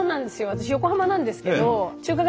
私横浜なんですけどええ！